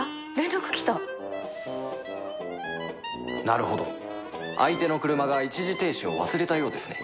なるほど相手の車が一時停止を忘れたようですね